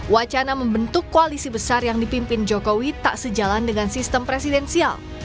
wacana membentuk koalisi besar yang dipimpin jokowi tak sejalan dengan sistem presidensial